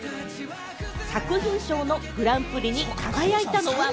作品賞のグランプリに輝いたのは。